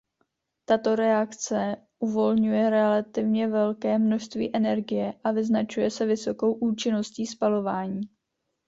Tato reakce uvolňuje relativně velké množství energie a vyznačuje se vysokou účinností spalování.